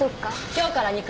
今日から肉。